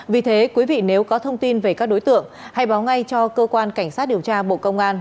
vì thế quý vị nếu có thông tin về các đối tượng hãy báo ngay cho cơ quan cảnh sát điều tra bộ công an